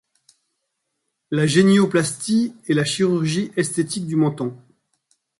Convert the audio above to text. La génioplastie est la chirurgie esthétique du menton.